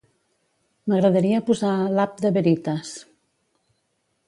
M'agradaria posar l'app de Veritas.